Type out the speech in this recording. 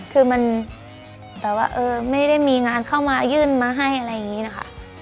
คือมันแบบว่าเออไม่ได้มีงานเข้ามายื่นมาให้อะไรอย่างนี้นะคะ